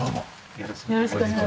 よろしくお願いします。